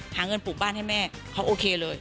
หาเงินปลูกบ้านให้แม่เขาโอเคเลย